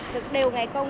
được đều ngày công